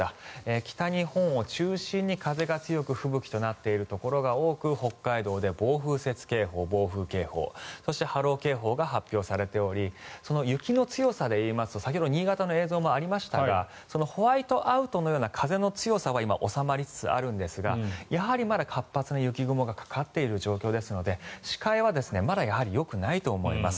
北日本を中心に風が強く吹雪となっているところが多く北海道で暴風雪警報、暴風警報そして波浪警報が発表されており雪の強さでいいますと先ほどの新潟の映像もありましたがホワイトアウトのような風の強さは今、収まりつつあるんですがやはり、まだ活発な雪雲がかかっている状況ですので視界はまだよくないと思います。